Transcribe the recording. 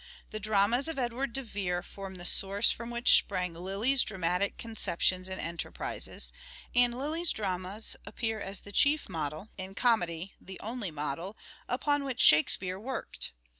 The dramas of Edward de Vere form the source from which sprang Lyly's dramatic conceptions and enter prises, and Lyly's dramas appear as the chief model, in comedy the only model, upon which " Shakes peare " worked.